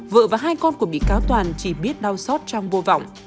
vợ và hai con của bị cáo toàn chỉ biết đau xót trong vô vọng